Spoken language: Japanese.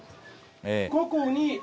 ここに。